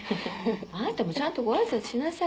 あなたもちゃんとご挨拶しなさい